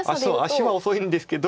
足は遅いですけど。